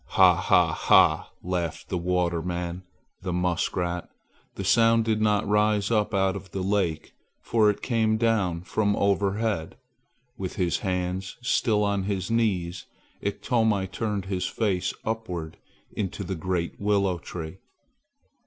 "Ha! ha! ha!" laughed the water man, the muskrat. The sound did not rise up out of the lake, for it came down from overhead. With his hands still on his knees, Iktomi turned his face upward into the great willow tree.